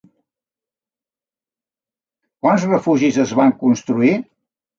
Quants refugis es van construir?